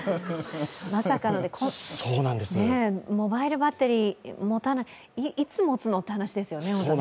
まさかのモバイルバッテリー持たないでいつ持つのって話ですよね。